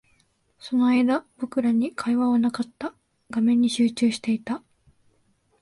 その間、僕らに会話はなかった。画面に集中していた。